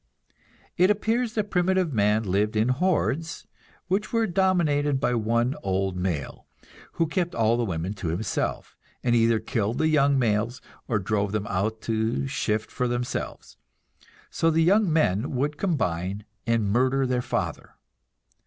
It appears that primitive man lived in hordes, which were dominated by one old male, who kept all the women to himself, and either killed the young males, or drove them out to shift for themselves; so the young men would combine and murder their father.